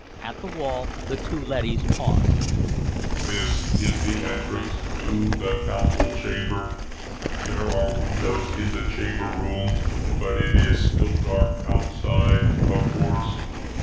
At the wall, the two leadys paused. "This is the entrance to the Council Chamber. There are windows in the Chamber Room, but it is still dark outside, of course.